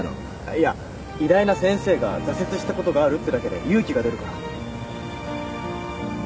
いや偉大な先生が挫折したことがあるってだけで勇気が出るから。